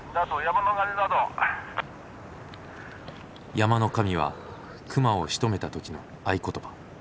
「山の神」は熊をしとめた時の合言葉。